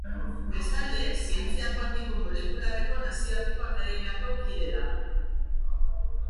Bestalde, Zientzia Kuantiko Molekularreko Nazioarteko Akademiako kide da.